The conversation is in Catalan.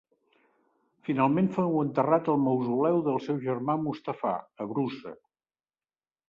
Finalment fou enterrat al mausoleu del seu germà Mustafà a Brusa.